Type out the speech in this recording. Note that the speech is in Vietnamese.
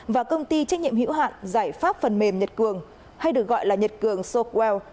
và công ty trách nhiệm hữu hạn giải pháp phần mềm nhật cường hay được gọi là nhật cường soquell